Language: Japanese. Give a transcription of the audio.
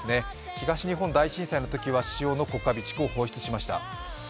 東日本大震災のときは塩の国家備蓄を放出しました。